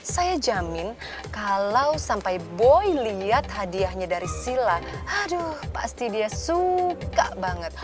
saya jamin kalau sampai boy lihat hadiahnya dari sila aduh pasti dia suka banget